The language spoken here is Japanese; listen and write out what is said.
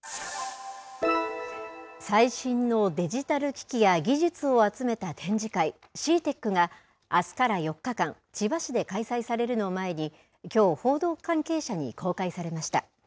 最新のデジタル機器や技術を集めた展示会、ＣＥＡＴＥＣが、あすから４日間、千葉市で開催されるのを前に、きょう、報道関係者に公開されました。